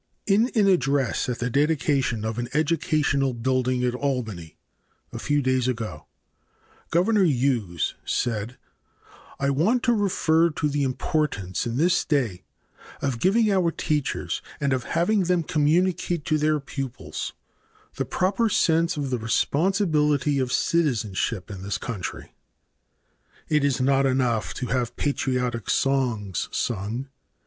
In an address at the dedication of an educational building at Albany a few days ago, Governor Hughes said: "I want to refer to the importance in this day of giving our teachers and of having them communicate to their pupils the proper sense of the responsibility of citizenship in this country. It is not enough to have patriotic songs sung.